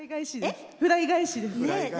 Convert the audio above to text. フライ返しです。